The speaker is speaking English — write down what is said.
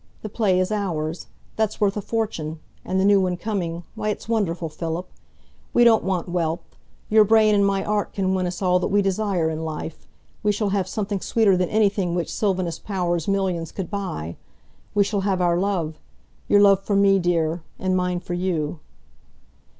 The play is ours. That's worth a fortune. And the new one coming why, it's wonderful, Philip. We don't want wealth. Your brain and my art can win us all that we desire in life. We shall have something sweeter than anything which Sylvanus Power's millions could buy. We shall have our love your love for me, dear, and mine for you."